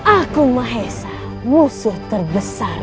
aku mahesa musuh terbesar